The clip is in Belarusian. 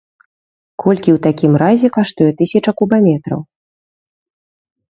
Колькі ў такім разе каштуе тысяча кубаметраў?